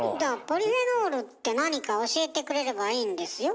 ポリフェノールってなにか教えてくれればいいんですよ？